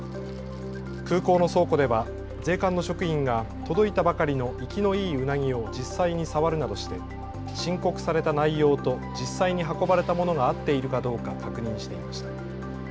空港の倉庫では税関の職員が届いたばかりの生きのいいうなぎを実際に触るなどして申告された内容と実際に運ばれたものが合っているかどうか確認していました。